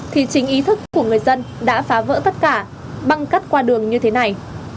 thì chính ý thức của người dân đã phá vỡ tất cả băng cắt qua đường như thế này